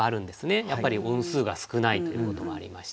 やっぱり音数が少ないということもありまして。